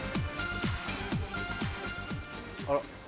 あら。